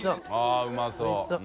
あっうまそう。